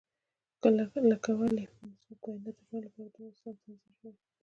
لکه ولې زموږ کاینات د ژوند لپاره دومره سم تنظیم شوي.